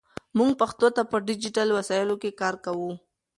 موږ پښتو ته په ډیجیټل وسایلو کې کار کوو.